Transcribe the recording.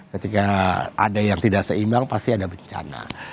ketika ada yang tidak seimbang pasti ada bencana